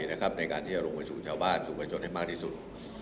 ในการที่จะลงไปสู่ชาวบ้านสู่ประชนให้มากที่สุด